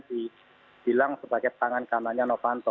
dibilang sebagai tangan kamarnya novanto